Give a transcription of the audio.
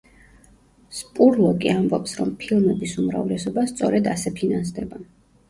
სპურლოკი ამბობს, რომ ფილმების უმრავლესობა სწორედ ასე ფინანსდება.